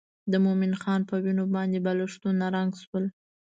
د مومن خان په وینو باندې بالښتونه رنګ شول.